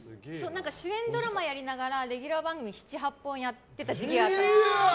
主演ドラマやりながらレギュラー番組７８本やってた時期があったんですよ。